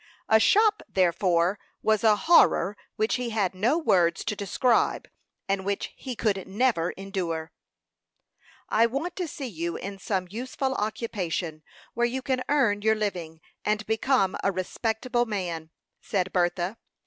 A shop, therefore, was a horror which he had no words to describe, and which he could never endure. "I want to see you in some useful occupation, where you can earn your living, and become a respectable man," said Bertha.